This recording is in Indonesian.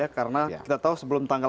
karena kita tahu sebelum tanggal empat